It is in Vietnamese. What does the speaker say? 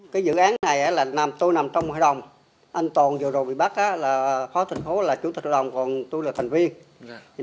cái dự án này là tôi nằm trong hội đồng anh toàn vừa rồi bị bắt là phó thành phố là chủ tịch hội đồng còn tôi là thành viên